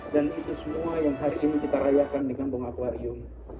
dan itu semua yang harus kita rayakan di kampung aquarium